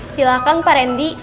silahkan pak randy